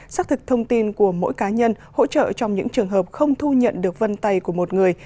xác thực thông tin của mỗi cá nhân hỗ trợ trong những trường hợp không thu nhận được vân tay của một người